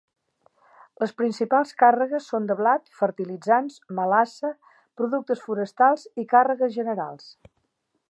Les principals càrregues són de blat, fertilitzants, melassa, productes forestals i càrregues generals.